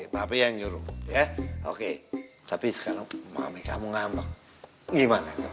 papi yang nyuruh ya oke tapi sekarang mami kamu ngambek gimana